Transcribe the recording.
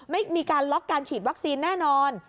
ไม่มีการล็อกการฉีดวัคซีนแน่นอน